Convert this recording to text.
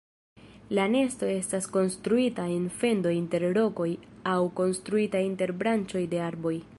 La nesto estas konstruita en fendo inter rokoj aŭ konstruita inter branĉoj de arboj.